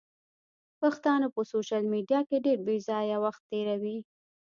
پښتانه په سوشل ميډيا کې ډېر بېځايه وخت تيروي.